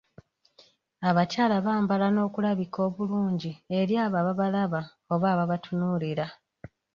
Abakyala bambala n’okulabika obulungi eri abo ababalaba oba ababatunuulira.